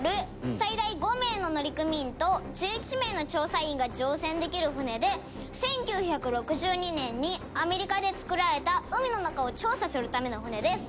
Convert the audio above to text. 最大５名の乗組員と１１名の調査員が乗船できる船で１９６２年にアメリカで造られた海の中を調査するための船です」